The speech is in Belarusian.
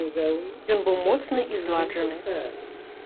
Ён быў моцны і зладжаны.